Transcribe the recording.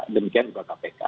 demikian juga kpk